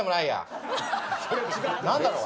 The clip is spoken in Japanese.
何だろう？